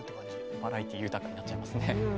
バラエティー豊かになっちゃいますね。